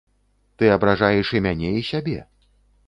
Ты абражаеш і мяне і сябе.